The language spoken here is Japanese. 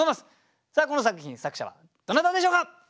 さあこの作品作者はどなたでしょうか？